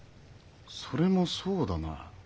それもそうだな。